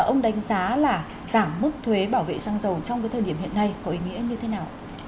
ông đánh giá là giảm mức thuế bảo vệ xăng dầu trong thời điểm hiện nay có ý nghĩa như thế nào